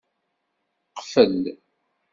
Qfel.